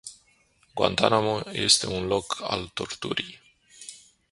Guantánamo este un loc al torturii.